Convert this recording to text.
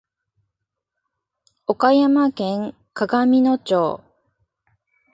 岡山県鏡野町